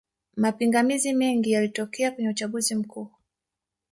mapingamizi mengi yalitokea kwenye uchaguzi mkuu